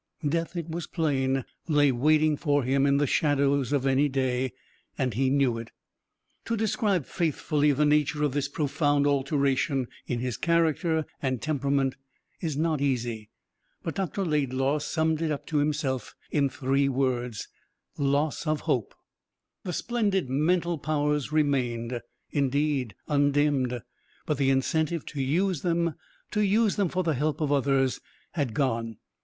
Death, it was plain, lay waiting for him in the shadows of any day and he knew it. To describe faithfully the nature of this profound alteration in his character and temperament is not easy, but Dr. Laidlaw summed it up to himself in three words: Loss of Hope. The splendid mental powers remained indeed undimmed, but the incentive to use them to use them for the help of others had gone.